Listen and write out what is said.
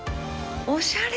おしゃれ！